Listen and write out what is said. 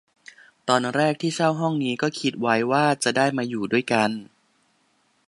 ตอนแรกที่เช่าห้องนี้ ก็คิดไว้ว่าจะได้มาอยู่ด้วยกัน